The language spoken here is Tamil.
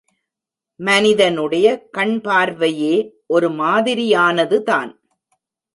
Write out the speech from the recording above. மனிதனுடைய கண் பார்வையே ஒரு மாதிரியானதுதான்.